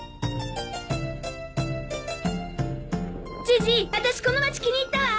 ジジ私この町気に入ったわ。